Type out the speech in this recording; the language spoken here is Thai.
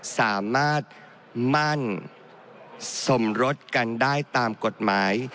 สามารถมั่นสมรสกันได้ตามกฎหมาย